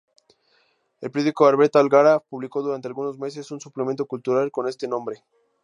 El periódico abertzale "Gara" publicó durante algunos meses un suplemento cultural con este nombre.